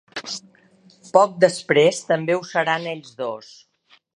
Poc després també ho seran ells dos.